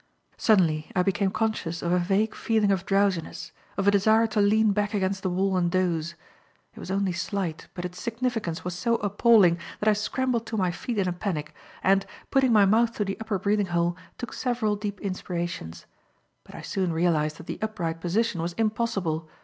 Suddenly I because conscious of a vague feeling of drowsiness; of a desire to lean back against the wall and doze. It was only slight, but its significance was so appalling that I scrambled to my feet in a panic, and, putting my mouth to the upper breathing hole, took several deep inspirations. But I soon realized that the upright position was impossible.